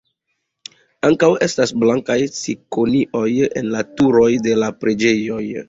Ankaŭ estas blankaj cikonioj en la turoj de la preĝejoj.